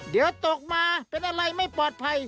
เดี๋ยวตกมาเป็นอะไรไม่ปลอดภัย